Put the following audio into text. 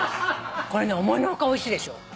これね思いの外おいしいでしょ？